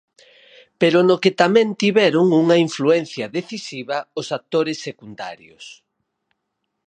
Pero no que tamén tiveron unha influenza decisiva os actores secundarios.